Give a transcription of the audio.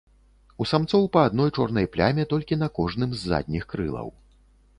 У самцоў па адной чорнай пляме толькі на кожным з задніх крылаў.